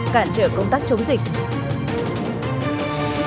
cản trở công tác chống dịch